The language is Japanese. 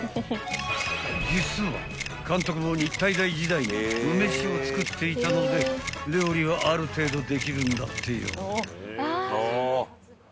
［実は監督も日体大時代に部飯を作っていたので料理はある程度できるんだってよ］